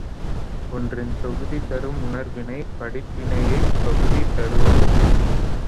ஒன்றின் தொகுதி தரும் உணர்வினை, படிப்பினையைப் பகுதி தருவதில்லை.